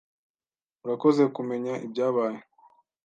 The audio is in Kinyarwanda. Urakoze kumenya ibyabaye.